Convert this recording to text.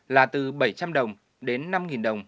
là từ bảy trăm linh đồng đến năm đồng